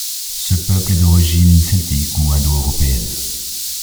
Ce peuple est d'origine celtique ou indo-européenne.